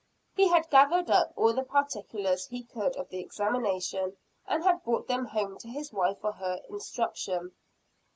He had gathered up all the particulars he could of the examination and had brought them home to his wife for her instruction.